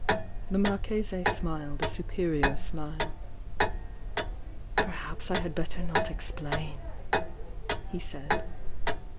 The Marchese smiled a superior smile. 'Perhaps I had better not explain !" he said.